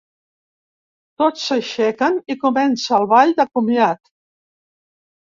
Tots s'aixequen i comença el ball de comiat.